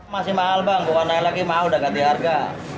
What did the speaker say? masih mahal bang bawa naik lagi mahal udah ganti harga